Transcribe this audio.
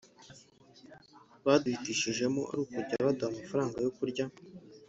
Baduhitishijemo ari ukujya baduha amafaranga yo kurya